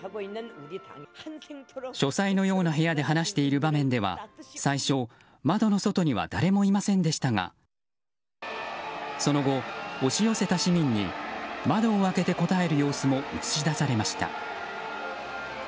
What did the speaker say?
書斎のような部屋で話している場面では最初、窓の外には誰もいませんでしたがその後、押し寄せた市民に窓を開けて応える様子も映し出されました。